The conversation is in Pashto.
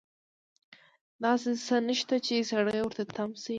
داسې څه نشته چې سړی ورته تم شي.